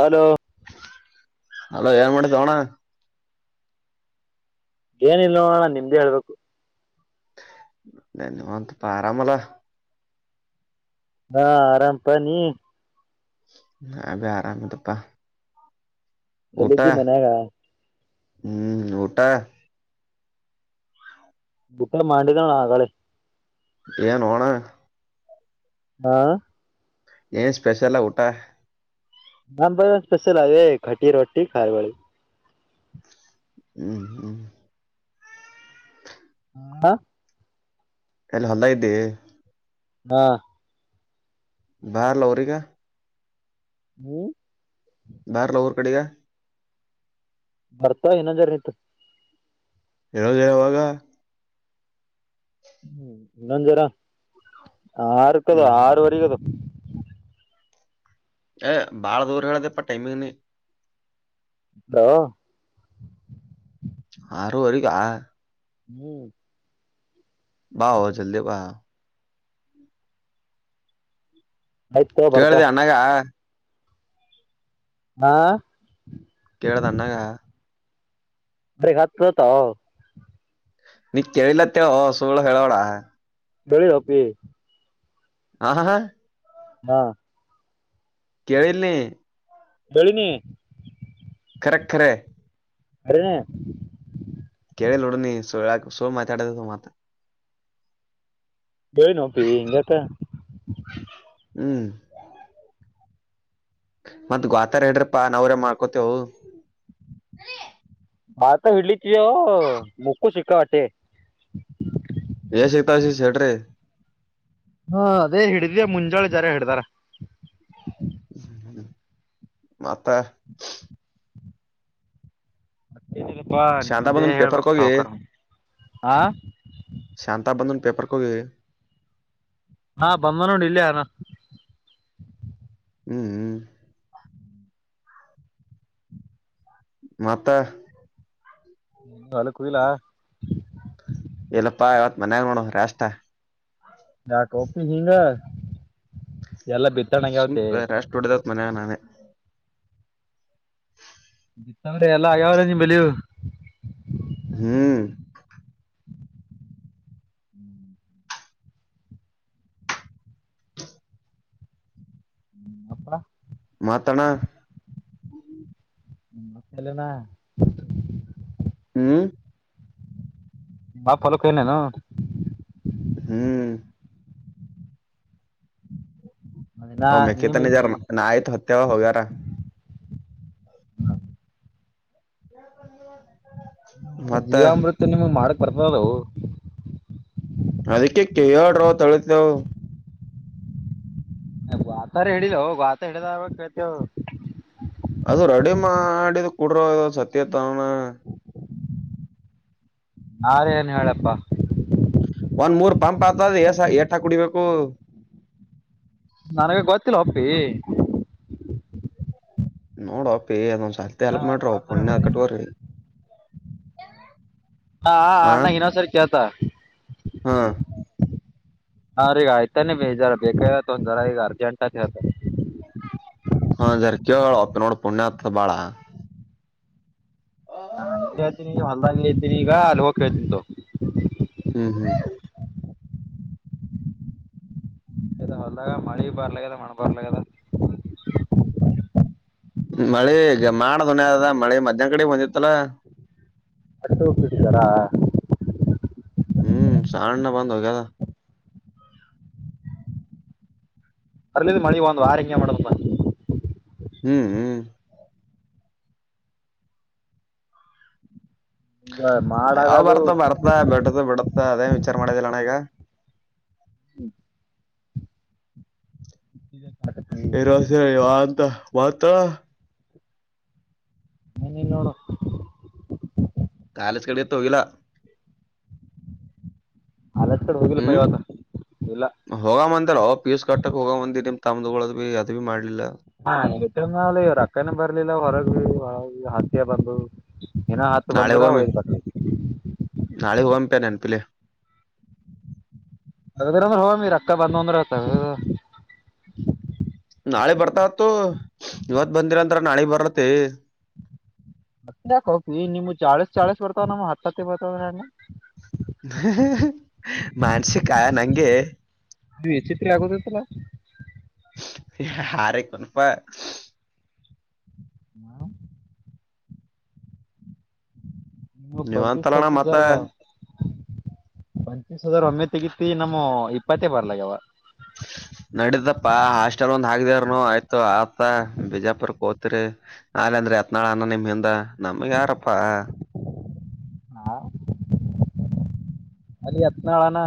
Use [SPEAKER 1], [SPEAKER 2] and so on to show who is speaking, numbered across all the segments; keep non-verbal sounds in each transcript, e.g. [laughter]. [SPEAKER 1] Hello,
[SPEAKER 2] hello ಏನ್ ಮಾಡ್ತೀಯೋಅಣ್ಣಾ
[SPEAKER 1] ಏನಿಲ್ಲವೋ ಅಣ್ಣಾ ನಿಮ್ದೇ ಹೇಳ್ಬೇಕು.
[SPEAKER 2] ಧನ್ಯವಂತಪ್ಪ ಆರಾಮಲ್ಲಾ
[SPEAKER 1] ಹಾ, ಆರಾಮ್ಪ ನೀ
[SPEAKER 2] ಆ ನಾನು ಆರಾಮಿದಿವಪ್ಪ ಊಟ
[SPEAKER 1] ಎಲ್ಲಿದ್ದಿ ಮನ್ಯಾಗ
[SPEAKER 2] ಹ್ಮ್, ಊಟಾ
[SPEAKER 1] ಊಟಮಾಡಿದೆ ಅಣ್ಣಾಅಗಳೆ
[SPEAKER 2] ಏನೋ ಅಣ್ಣಾ
[SPEAKER 1] ಹಾ,
[SPEAKER 2] ಏನ್ ಸ್ಪೆಷಲ ಊಟ? -
[SPEAKER 1] ಹಬ್ಬಸ್ಪೆಷಲ್ ಅದೇ ಕಟಿ ರೊಟ್ಟಿ ಖಾಯಹೊಳಿಗಿ.
[SPEAKER 2] ಹ್ಮ್ ಹ್ಮ್ [inaudible]
[SPEAKER 1] ಹ್ಮ [inaudible]
[SPEAKER 2] ಎಲ್ಲಿ ಹೊಲ್ಲ್ದಾಗಿದ್ದಿ
[SPEAKER 1] ಹಾ,
[SPEAKER 2] ಬಾರ್ ಲ ಉರಿಗಾ [unintelligible]
[SPEAKER 1] ಹ್ಮ್,
[SPEAKER 2] ಬರ್ಲಾ ಊರ್ ಕಡೆಗೆ
[SPEAKER 1] ಬರ್ತಾ ಇನ್ನೊಂದುಜರ್ ನಿಂತ್ತು.
[SPEAKER 2] ಹೇಳೋದ ಯಾವಾಗ [unintelligible]
[SPEAKER 1] ಹ್ಮ ಇನ್ನೊಂದ್ ಜರ ಆರ್ ಕದು
[SPEAKER 2] ಹ್ಮ್
[SPEAKER 1] ಆರವರೆಗಿ ಅದು.
[SPEAKER 2] ಏಯ್ ಬಾಳ ದೂರ ಹೇಳ್ದಪ್ಪಾ ಟೈಮಿಂಗ್ ನೀ
[SPEAKER 1] ಹ [inaudible]
[SPEAKER 2] ಆರು ವರಿಗಾ
[SPEAKER 1] ಹ್ಮ್ [inaudible]
[SPEAKER 2] ಬಾ ಹೊ ಜಲ್ದಿ ಬಾ
[SPEAKER 1] ಆಯ್ತು ಬರ್ತಾ
[SPEAKER 2] ಕೇಳಿದೆಅಣ್ಣಗಾ
[SPEAKER 1] ಹಾ,
[SPEAKER 2] ಕೇಳ್ದಾ ಅಣ್ಣಗಾ
[SPEAKER 1] ಬ್ರ ಹಾತ [unintelligible]
[SPEAKER 2] ನೀ ಕೇಳಿಲ್ಲ ಅಂತ ಏಳೋ ಸುಳ್ಳು ಏಳ್ಬೇಡ.
[SPEAKER 1] ಬೆಳಿ ಹಪ್ಪಿ [inaudible]
[SPEAKER 2] ಹಾ, ಹಾ, ಹಾ
[SPEAKER 1] ಹಾ,
[SPEAKER 2] ಕೇಳಿಲ್ಲ ನೀ
[SPEAKER 1] ಬೆಳಿನಿ [unintelligible]
[SPEAKER 2] ಕರಖರೆ [inaudible]
[SPEAKER 1] ಅರಣೇಣ [unintelligible]
[SPEAKER 2] ಕೇಳಿಲ್ಲ ನೋಡು ನೀ ಸೋಳ್ ಸೋ ಮಾತ ಆಡ ಮಾತ
[SPEAKER 1] ಕೇಳಿನೋ ಅಪ್ಪಿ ಇಂಗ್ಯಕಾ
[SPEAKER 2] ಹ್ಮ್, ಮತ್ತ ಗಾತರ ಹೇಳ್ರಪ್ಪಾ ನಾವ್ರೇ ಮಾಡ್ಕೊತೇವು.
[SPEAKER 1] ಭಾತ ಹಡ್ಲತಿವ ಮುಕ್ಕು ಸಿಕ್ಕಾವಟ್ಟೆ [unintelligible]
[SPEAKER 2] [unintelligible] ಶೇಟ್ರರೆ
[SPEAKER 1] ಹಾ ಅದೇ ಹಿಡಿದ ಮುಂಜಾಳೆ ಜರ ಹಿಡಿದಾರ
[SPEAKER 2] ಹ್ಮ ಹ್ಮ [inaudible] ಮತ್ತ
[SPEAKER 1] ಮತ್ತೇನ ಇಲ್ಲಪಾ
[SPEAKER 2] ಶಾಂತ
[SPEAKER 1] ನಿಮ್ದೇ
[SPEAKER 2] ಬಂದನ್
[SPEAKER 1] ಹೇಳ್ಬೇಕ
[SPEAKER 2] ಪೇಪರ್ಕ್ ಹೋಗಿ
[SPEAKER 1] ಸಾವಕರ್ [inaudible] ಹಾ
[SPEAKER 2] ಶಾಂತಾಬಂಧನ್ ಪೇಪರ್ಗುಕೋ
[SPEAKER 1] ಹಾ ಬಂದ್ ನೋಡ ಇಲ್ಲೆ ಅದನಾ
[SPEAKER 2] ಹ್ಮ್ ಹ್ಮ್ ಮತ್ತ
[SPEAKER 1] ಸ್ನಾನಕ್ಕ ಹೋಗಿಲ್ಲ
[SPEAKER 2] ಇಲ್ಲಪ್ಪಾ ಯಾವತ್ ಮನ್ಯಾಗ ನೋಡುನ ರ ಅಷ್ಟಾ
[SPEAKER 1] ಯಾಕ ಒಪ್ಪನಿ ಹಿಂಗ [inaudible] ಎಲ್ಲಾ ಬಿತ್ತಣಂಗ ಆಗ್ಯವಂತೆ
[SPEAKER 2] [unintelligible] ಮಾನ್ಯಗ ನಾನೇ
[SPEAKER 1] ಬಿತ್ತವ್ರೆ ಎಲ್ಲ ಆಗ್ಯಾವ್ರೆ ನಿಮ್ ಬೆಲವು
[SPEAKER 2] ಹ್ಮ್
[SPEAKER 1] ಹ್ಮ್ ಅಪ್ಪಾ
[SPEAKER 2] ಮತ್ತಣ್ಣ
[SPEAKER 1] ಮತ್ತ ಯಲ್ಲನ
[SPEAKER 2] ಹ್ಮ್
[SPEAKER 1] ಪಾಪ ಹೊಲಕ್ಕ ಹೋಗಿಲ್ಲನ ಅವ
[SPEAKER 2] ಹ್ಮ್
[SPEAKER 1] ನಾ
[SPEAKER 2] ಅವ ಮೆಕ್ಕೆ
[SPEAKER 1] ನಿಮ್ ಜಿ
[SPEAKER 2] ತಂದಿದ್ದಾರಾ ನಾ ಆಯ್ತು ಹತ್ತತ್ಯವ ಹೋಗ್ಯಾರ [unintelligible]
[SPEAKER 1] [inaudible]
[SPEAKER 2] ಮತ್ತ
[SPEAKER 1] ಜೀವಾಮೃತ ನಿಮಗ್ ಮಾಡಕ್ ಬರ್ತದವು
[SPEAKER 2] ಅದಕ್ಕೆ ಕೆ ಹೇಳ್ರೋ ಅಂತಲಿದ್ದೆನೋ
[SPEAKER 1] ಗ್ವಾತ ಹಿಡೀಲ ಗ್ವಾತ ಹಿಡಿದಾದ ಮೇಲೆ ಕೇಳ್ತೆವ್
[SPEAKER 2] ಅದು ರೆಡಿ ಮಾಡಿದ ಕುಡ್ರ ಸತ್ಯ ತನ
[SPEAKER 1] ನಾರೇಏನ್ ಹೇಳಪ್ಪಾ
[SPEAKER 2] ಒನ್ ಮೂರ್ ಪಂಪ್ ಆತದ ಏಸ ಏಟ ಕುಡಿಬೇಕು.
[SPEAKER 1] ನನಗ ಗೊತ್ತಿಲ್ಲ ಒಪ್ಪಿ
[SPEAKER 2] [inaudible] ನೋಡ ಅಪ್ಪಿ ಅದೊಂದ್ಸರ್ತಿ ಹೆಲ್ಪ್ ಮಾಡ್ರಿ ಪುಣ್ಯ ಕಟಗೋರಿ
[SPEAKER 1] ಹಾ ಹಾ ಅಣ್ಣಂಗ್ ಇನ್ನೊಂದ್ಸರಿ ಕೇಳ್ತಾ
[SPEAKER 2] ಹಾ
[SPEAKER 1] ಹ್ರ ಈಗ ಆಯ್ತಾನೇ ಬೇಜಾರ ಬೇಕಾಯ್ತೊಂದ್ರ ಈಗ ಅರ್ಜೆಂಟ್ ಹೇಳ್ತಾರೆ
[SPEAKER 2] ಹಾ ಜರ್ ಕೇಳಪ್ಪ ನೋಡ ಪುಣ್ಯಾತ್ ಬಾಳ
[SPEAKER 1] ಹಾ ಇಲ್ಲ ಇದ್ದೀನಿ ಹೊಲದಾಗ ಇದ್ದೀನಿ ಈಗ ಅಲ್ಲಿ ಹೋಗಿ ಕೇಳತೀನಿ ತೊ
[SPEAKER 2] ಹ್ಮ್ ಹ್ಮ್
[SPEAKER 1] ಇ ಹೊಲದಾಗ ಮಳಿ ಬರ್ಲಲ್ಯಾಗದ ಮಣ್ಣ ಬರ್ಲಲ್ಯಾಗದ
[SPEAKER 2] ಮಳೆ ಈಗ ಮಾಡ ದುನಿಯಾ ಆದ ಮಳೆ ಮಧ್ಯಾಹ್ನ ಕಡೆ ಬಂದಿತ್ತಲ
[SPEAKER 1] [unintelligible]
[SPEAKER 2] ಹ್ಮ ಸಣ್ಣ ಬಂದ ಹೋಗದ
[SPEAKER 1] [unintelligible] ಮಳಿ ಒಂದ ವಾರ ಹಿಂಗೆ ಮಾಡಿದೆಪಾ
[SPEAKER 2] ಹ್ಮ್ ಹ್ಮ್
[SPEAKER 1] ಈಗ
[SPEAKER 2] ಯಾವ
[SPEAKER 1] ಮಾಡಾಗದು
[SPEAKER 2] ಬರ್ತ ಬರ್ತ ಬಿಡತ ಬಿಡತ ಅದೇ ವಿಚಾರ ಮಾಡಿದಿಲ್ಲಣ್ಣ ಈಗ
[SPEAKER 1] ಹ್ಮ್ ಟ್ಟತ
[SPEAKER 2] ಇರ ಹೇಳಿ ಅಂತ ವತ [inaudible]
[SPEAKER 1] ಮ ನೋಡ.
[SPEAKER 2] ಕಾಲೇಜ್ ಕಡೆ ಎತ್ತು ಹೋಗಿಲ್ಲಾ.
[SPEAKER 1] ಅಲತ್ ಕಡೆ ಹೋಗಿಲ್ಲಪ್ಪಾ ಇವಾಗ.
[SPEAKER 2] ಹೋಗ ಬಂದಾರ ಪಿಯೂಷ್ ಕಟ್ಟಕ್ ಹೋಗ ಬಂದಿ ನಿಮ್ ತಮ್ಮ್ದಗಳದ್ ಅದು ಬಿ ಮಾಡ್ಲಿಲ್ಲ
[SPEAKER 1] ಹಾವ ಇವ್ರ್ ಅಕ್ಕನ ಬರ್ಲಿಲ್ಲ ಹೊರಗ ಹತ್ತಿಯ ಬಂದು. ದಿನಾ ಹತ್ತು ಬಂದ್ರ ಒಯತನಿ.
[SPEAKER 2] ನಾಳ ಹೋಗಮತ ನೆಪಿಲೆ.
[SPEAKER 1] ಅಗದರ ಅಂದ್ರೆ [inaudible] ಅಕ್ಕ ಬಂದ್ ಅಂದ್ರೆತ
[SPEAKER 2] ನಾಳೆ ಬರ್ತಾತ್ತು ಇವತ್ ಬಂದಿರಂತ್ರ ನಾಳೆ ಬರ್ತ್ತ.
[SPEAKER 1] ಮತ್ತಕ ಹೋಗ ನಿಮ್ ಚಾಳೀಸ್ ಚಾಳೀಸ್ ಬರ್ತಾವ ನಮ್ಮ ಹತ್ತತ್ತ ಬರ್ತದಗೆ.
[SPEAKER 2] ಹ ಹ ಮಾನಸಿಕ ನಂಗೆ
[SPEAKER 1] ನೀವು ವಿಚ್ಚಿತ್ರ್ ಆಗೋದತ್ತಾಲ್ಯಾ.
[SPEAKER 2] ಹಾರ ಕುನ್ಪ್ಪ
[SPEAKER 1] ಹ ನೀವು
[SPEAKER 2] ಯಾವಾಗ್
[SPEAKER 1] ಪಂಚೀಸ್
[SPEAKER 2] ತರೋಣ್ಣ ಮತ್ತ.
[SPEAKER 1] ಪಂಚ ಸಾವಿರ ಒಮ್ಮೆ ತೆಗಿತಿ ನಮ್ಮ ಇಪ್ಪತ್ತೇ ಬರ್ಲಗ ಅವ [inaudible]
[SPEAKER 2] ನಡತಪ್ಪಾ ಹಾಸ್ಟೆಲ್ ಒಂದ್ ಹಾದವನು ಆಯ್ತು ಆತ ಬಿಜಾಪುರ್ ಕೋತ್ರಿ. ಆಲ್ ಅಂದ್ರೆ ಹತ್ನಾಳ್ ಅಣ ನಿಮ ಹಿಂದ ನಮಗ್ ಯಾರಪ್ಪಾ.
[SPEAKER 1] ಹಾ ಅಲ್ಲಿ ಎತ್ನಾಳನಾ.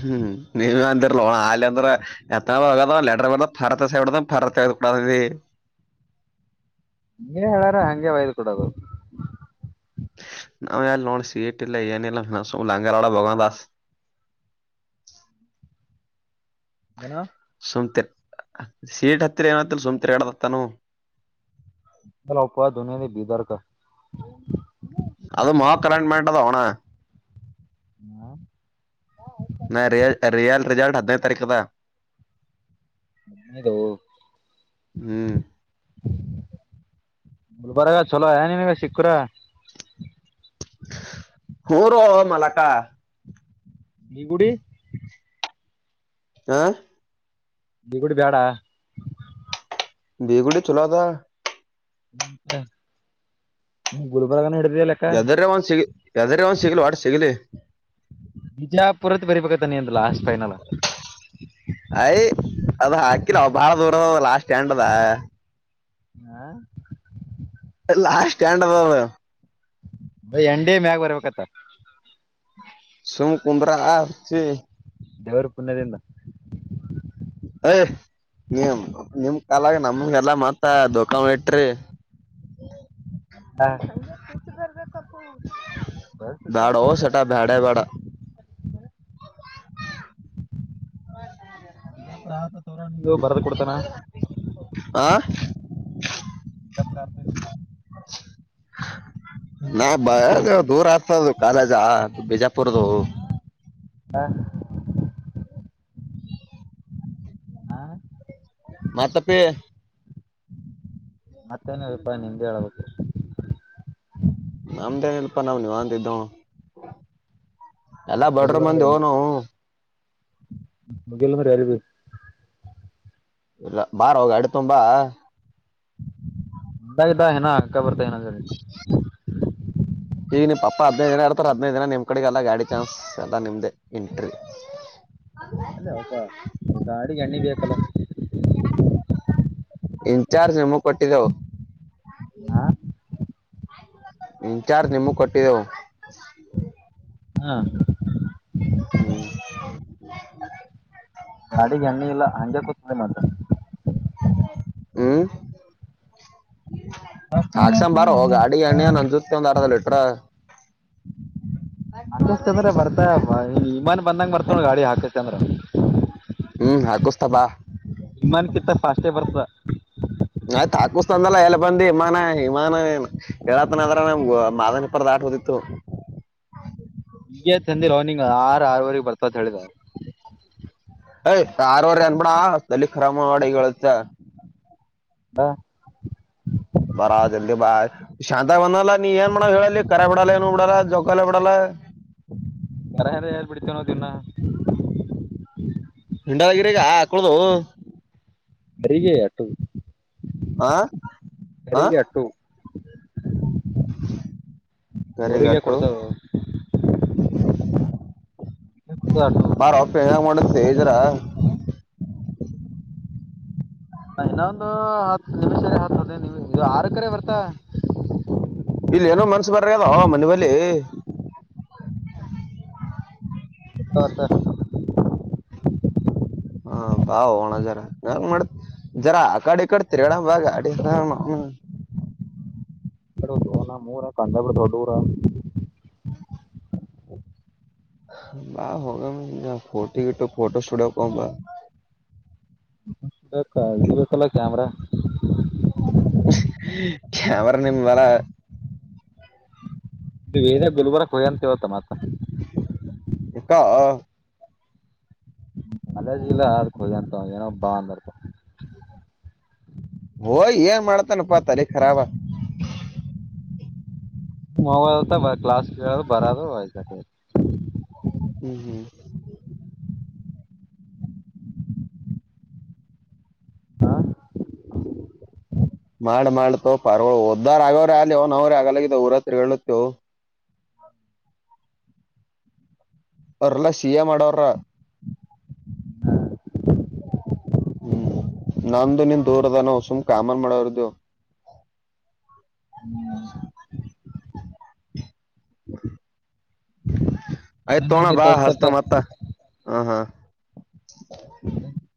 [SPEAKER 2] ಹ್ಮ್ ನೀವ ಅಂತರ್ಲೋಣ ಅಲ್ಲಿ ಅಂದ್ರೆ. ಎತ್ತನ ಹ ಲೆಟರ್ ಬ ರತ ಸೇಬಡ ರ ಕೂಡೀ [inaudible]
[SPEAKER 1] ನೀ ಹೇಳಾರ ಹಂಗೆ ವಯ್ದ್ ಕೊಡೋದು.
[SPEAKER 2] ನಾವು ಯಾರ ನೋಳಸ ಟ್ಲ್ಲ ಏನ ಇಲ್ಲಸ ಲಂಗಾರಳ ಭಗನ್
[SPEAKER 1] ಹಾಂ
[SPEAKER 2] ದಾಸ್ [inaudible] ಆ
[SPEAKER 1] ಅನು...
[SPEAKER 2] ಸುಮ್ತೆ ಸೀಟ್ ಹತ್ತಿರ ಏನತ್ತ ಸುಮ್ತೆರ್ಗಡದತ್ತಾನ.
[SPEAKER 1] ಚಲಪ್ಪ ದದುನಿಯಿ ಬೀದರ್ಕ.
[SPEAKER 2] ಅದು ಮಾ ಕರೆಂಟ್ ಮಾಡೇಟದ ಅವಣ. ನ ರಿಯಲ್ ರಿಯಲ್ ರಿಜಲ್ಟ ಹದಿ.... ತರ್ಕದ.
[SPEAKER 1] ಅನ್ನದ.
[SPEAKER 2] ಹ್ಮ್
[SPEAKER 1] [inaudible] ಮುಲ್ಬರಾಗ ಚಲೋ ಯನನ್ಗ ಸಿಕ್ಕುರ
[SPEAKER 2] ಹ ರೋ ಮಲಕ.
[SPEAKER 1] ಇ ಗುಡಿ.
[SPEAKER 2] ಹಾ
[SPEAKER 1] ದಗುಡು ಬೇಡ.
[SPEAKER 2] ಬೇಗುಡ ಚಲೊ ಅದ.
[SPEAKER 1] ಮತ್ತ ಹ ಗುಳಬರಗಾನ ಇಡಿದಲ್ಲ.
[SPEAKER 2] ಎದರ ಒಂದ್ ಸಿಗ ಎದ್ರ ಒಂದ್ ಸಿಗಲಿ ಒಟ ಸಿಗ್ಲಿ.
[SPEAKER 1] ಬಿಜಾಪುರತ್ ಬರಿಬೇಕತ ನೀಂದ ಲಾಸ್ಟ್ ಫೈನಲ್.
[SPEAKER 2] ಅಯ್ ಅದು ಹಾಕಿಲ್ಲ್ ಬಾಳ ದೂರ ಲಾಸ್ ಸ್ಟ್ಯಾಂಡದ.
[SPEAKER 1] ಹಾ
[SPEAKER 2] ಲಾ ಸ್ಟ್ಯಾಂಡ್ ದಾವ.
[SPEAKER 1] ಎಂಡಿ ಮ್ಯಾಗ ಬರ್ಬೇಕತ್ತ.
[SPEAKER 2] ಸುಮ್ಮ ಕುಂದ್ರ ಅರ್ಚಿ.
[SPEAKER 1] ದೇವರ ಪುಣ್ಯದಿಂದ
[SPEAKER 2] ಅಯ್ ನಿಮ್ಮ ಕಾಲಾಗ ನಮಗ ಎಲ್ಲ ಮತ್ತ ದೋಖಾ ಇಟ್ರಿ. ಹ್ಮ.
[SPEAKER 1] ಅ
[SPEAKER 2] ಬ್ಯಾಡೋ ಶಟ ಬ್ಯಾಡ ಬ್ಯಾಡ.
[SPEAKER 1] ಬಿಜಾಪುರ ಆತ ತೋರ ನೀವು ಬರೆದು ಕೊಡ್ತಾನ
[SPEAKER 2] [unintelligible] ಆ ನಾ ಬಕ ದೂರ ಆಗ್ತದ ಕಾಲೇಜ ಬಿಜಾಪುರದು.
[SPEAKER 1] ಹ ಹಾ
[SPEAKER 2] ಮತ್ತಪ್ಪ
[SPEAKER 1] ಮತ್ತೇನ ಹೆಲ್ಪ ನಿಂದ ಹೇಳ್ಬೇಕ.
[SPEAKER 2] ನಮ್ದ ಏನ ಇಲ್ಪ ನಾವ್ ನಿವಂದ ಇದ್ದವ. ಎಲ್ಲಾ ಬಡ್ರ ಮಂದಿ
[SPEAKER 1] ಬುಗಿಲ್ಲಂದ
[SPEAKER 2] ಹೋಗ್ ನಾವು
[SPEAKER 1] ಬುಗಿಲ್ಲಂದ ಏರ್
[SPEAKER 2] ಇಲ್ಲ ಬಾರೋ ಗಾಡಿ ತುಗೊಂದ ಬಾ.
[SPEAKER 1] ಬೆ ಬ ಇನ ಅಕ್ಕಾ ಬರ್ತಾ ಇನ ಸರಿ.
[SPEAKER 2] [inaudible] ಈಗ ನಿಮ್ಮ ಪಪ್ಪ ಹದಿನೈದ ದಿನ ಇಡ್ತಾರ ಹದಿನೈದ ದಿನ ನಿಮ್ ಕಡೆಗೆ ಎಲ್ಲ ಗಾಡಿ ಚಾನ್ಸ್ ಎಲ್ಲ ನಿಮ್ದೆ ಎಂಟ್ರಿ.
[SPEAKER 1] ಅಲ್ಲೇಪ್ಪಾ ಗಾಡಿಗ ಎಣ್ಣಿ ಬೇಕಲ್ಲ.
[SPEAKER 2] ಇನ್ಚಾರ್ಜ್ ನೀಮಗ ಕೊಟ್ಟಿದೇವ.
[SPEAKER 1] ಹಾ
[SPEAKER 2] ಇಂಚಾರ್ಜ್ ನಿಮಗ ಕೊಟ್ಟಿದ್ದೆವ.
[SPEAKER 1] ಹಾ
[SPEAKER 2] ಹ್ಮ.
[SPEAKER 1] ಗಾಡಿಗ ಎಣ್ಣಿ ಇಲ್ಲ ಹಂಗೆ ಕೂತ್ತ ನೋಡ.
[SPEAKER 2] ಹ್ಮ ಹಾಕ್ಷಂಬಾರ ಗಾಡಿ ಎಣ್ಣಿ ಏನ್ ಅಂಜ ಇತ್ತೊಂದ ಅರ್ಧ ಲಿಟ್ರ.
[SPEAKER 1] ಹಾಕತ್ ಅಂದ್ರ ಬರ್ತ ಇಮಾನ್ ಬಂದ ಬರ್ತ ಗಾಡಿ ಹಾಕಸ್ತ ಅಂದ್ರ
[SPEAKER 2] ಹ್ಮ ಹಾಕುಸ್ತಾ ಬಾ.
[SPEAKER 1] ವಿಮಾನ್ ಕಿತ್ತ ಫಾಸ್ಟೇ ಬರ್ತ.
[SPEAKER 2] ನಾಯ್ತ ಹಾಕಸ್ತಾಂದನ ಎಲ್ಲಿ ಬಂದ ವಿಮಾನ ವಿಮಾನ ಹೇಳತನ ಅದ್ರ ನಮ್ ಮಾದನಿ ಪುರ ದಾಟಬೋದಿತ್ತು.
[SPEAKER 1] ಈಗ ತಂದಿಲ್ಲ ನಿಂಗ ಆರ ಆರವರೆಗೆ ಬರ್ತ ಅತ್ತ ಹೇಳಿದ.
[SPEAKER 2] ಯ ಆರುವರೆ ಅನ್ಬೇಡ ತೆಲಿ ಖರಾಬ ಮಾಡ್ಬ್ಯಾಡ ಈಗ ಹೇಳತೆ.
[SPEAKER 1] ಹಾ
[SPEAKER 2] ಬರ ಜಲ್ದಿ ಬಾ. ಶಾಂತ ಬನ್ನಲ್ಲ ನೀ ಏನ್ ಮಾಡೋವ ಹೇಳಲೇ ಕರ ಬಿಡಲ್ಲ ಏನು ಬಿಡಲ್ಲ ಜೌಕಲ್ಲ ಬಿಡಲ್ಲ.
[SPEAKER 1] ಕರ ಅರೆ ಎಲ್ಲ ಬಿಡ್ತು ನಾವ್ ದಿನ್ನ
[SPEAKER 2] ಹಿಂಡವಾಗಿರ ಈಗ ಆಕುಳ್ದು
[SPEAKER 1] ಬರಿಗೆ ಅಟು
[SPEAKER 2] ಆ
[SPEAKER 1] ಕರೀಗೆ ಅಟ್ಟು
[SPEAKER 2] ಕರಿ
[SPEAKER 1] ಅವರಿಗೆ
[SPEAKER 2] ಗಟ್ಟು
[SPEAKER 1] ಕೊಡ್ಸೋದು
[SPEAKER 2] ಬಾರೋ ಅಪ್ಪಿ ಏನ ಮಾಡ್ಲಾತಿದಿ ಜರಾ.
[SPEAKER 1] ಹನ್ನೊಂದು ಹತ್ತು ನಿಮಿಷ ಹತ್ತು ಹದಿನೈದು ನಿಮಿಷ್ ಇದು ಆರು ಎಕರೆ ಬರ್ತಾವಾ.
[SPEAKER 2] ಇಲ್ಲ ಏನೋ ಮನ್ಸ ಬರಲ್ಲ ಹೋಗ್ಯಾದೋ ಮನಿಬಲ್ಲಿ
[SPEAKER 1] ಹೌ ಸರಿ
[SPEAKER 2] ಹಾ ಬಾ ಹೋಗಣ ಜರಾ ಹೆಂಗ್ ಮಾಡತಿ....... ಜರಾ ಅಕಾಡಿ ಇಕಾಡಿ ತಿರ್ಗಾಡಂ ಬಾ ಗಾಡಿ ಮ್ಯಾಲ್ ಅವ್ನವೂನ್......
[SPEAKER 1] ಹ ನಮ್ಮೂರ ಕಾಂಡಾಬಟಿ ದೂರ
[SPEAKER 2] ಬ ಹೋಗಾಮ ಬಾ ಫೋಟೋ ಗಿಟ್ಟೋ ಫೋಟೋ ಸ್ಟುಡಿಯೋ ಹೋಗಮ್ಮ ಬಾ.
[SPEAKER 1] ಅದಕ ಇದು ಬೇಕಲ್ಲ ಕ್ಯಾಮ್ರಾ.
[SPEAKER 2] ಕ್ಯಾಮೆರಾ ನಿಂಬಲ.
[SPEAKER 1] ವಿರಿಯಾ ಗುಲ್ಬರ್ಗಕ್ ಹೋಗ್ಯಾನ್ ಅಂತ ಇವತ್ತ್ ಮತ್....
[SPEAKER 2] ಇರ್ತಾವೋ
[SPEAKER 1] ಕಾಲೇಜ್ ಇಲ್ಲ ಅದಕ ಹೋಗ್ಯಾನ್ ತೋಗೊ ಏನೋ ಬಾ ಅಂದರಂತ
[SPEAKER 2] ಹೋಗಿ ಏನ್ ಮಾಡ್ತಾನಪ್ಪಾ ತಲಿಖರಾಬ.
[SPEAKER 1] ಮೊಬೈಲ್ ಅದ ಅಂತ ಕ್ಲಾಸ್ ಕೇಳೋದು ಬರೋದು ಆಯ್ತ್ ಅಸ್ಟೇ
[SPEAKER 2] ಹ್ಮ್ ಹ್ಮ್. ಮಾಡ್ಲ ಮಾಡ್ಲಾತೋ ಪಾರಗೋಳು ಉಧಾರ್ ಅಗೋರ್ ಆಗ್ಲಿ ಅವ್ನವುನ ನಾವ್ರಾ ಆಗಲ್ಲ ಹೋಗಿದೇವ್ ಊರಾಗ್ ತಿರುಗಾಡ್ಲಾತಿದೇವ..... ಅವರೆಲ್ಲಾ ಸಿ ಎ ಮಾಡೋರ್ ಹರಾ. ಹ್ಮ್ ನಂದು ನಿಂದು ದೂರ ಅದನೋ ಸುಮ್ ಕಾಮನ್ ಮಾಡೋರಿದೇವ್... ಆಯ್ತ ತೊಗೊ ಅಣ್ಣಾ ಬಾ ಹಚ್ತಾ ಮತ್ತ ಹ ಹಾ.
[SPEAKER 1] [unintelligible]